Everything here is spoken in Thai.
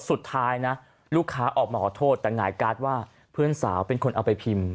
สุดท้ายนะลูกค้าออกมาขอโทษแต่หงายการ์ดว่าเพื่อนสาวเป็นคนเอาไปพิมพ์